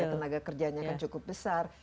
tenaga kerjanya kan cukup besar